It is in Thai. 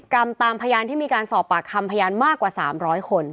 ตามพยานที่มีการสอบปากคำพยานมากกว่า๓๐๐คน